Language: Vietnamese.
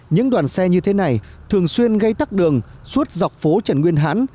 những đoàn xe như thế này thường xuyên gây tắc đường suốt dọc phố trần nguyên hãn